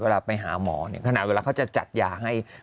เวลาไปหาหมอเนี่ยขนาดเวลาเขาจะจัดยาให้